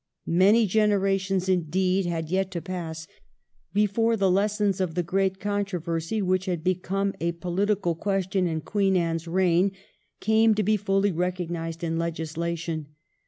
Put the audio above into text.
Many generations, indeed, had yet to pass before the lessons of the great controversy, which had become a political question in Queen Anne's reign, came to be fully recognised in legislation.